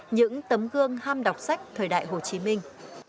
những tấm gương ham đọc sách thời đại hồ chí minh